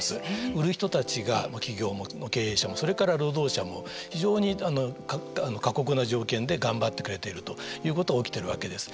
売る人たちが、企業も経営者もそれから労働者も非常に過酷な条件で頑張ってくれているということが起きているわけです。